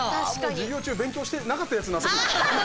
授業中勉強してなかったやつの遊び。